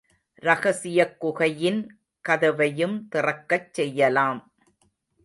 ரகசியக் குகையின் கதவையும் திறக்கச் செய்யலாம்.